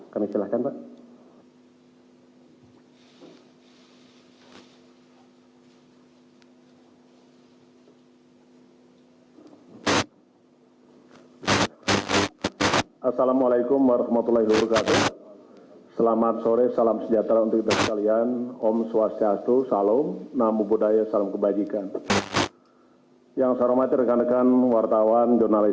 kami silahkan pak